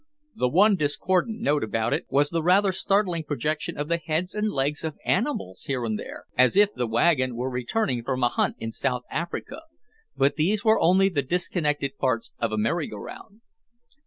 The one discordant note about it was the rather startling projection of the heads and legs of animals here and there as if the wagon were returning from a hunt in South Africa. But these were only the disconnected parts of a merry go round.